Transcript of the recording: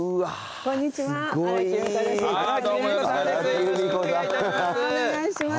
よろしくお願いします。